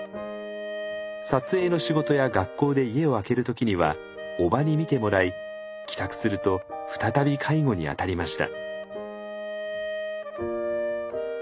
撮影の仕事や学校で家を空ける時には叔母に見てもらい帰宅すると再び介護にあたりました。